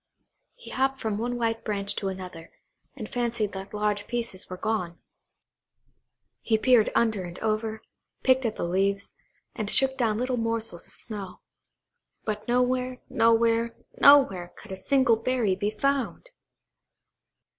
He hopped from one white branch to another, and fancied that large pieces were gone. He peered under and over, picked at the leaves, and shook down little morsels of snow; but nowhere, nowhere, nowhere, could a single berry be found!